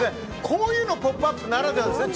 こういうのも「ポップＵＰ！」ならではですね。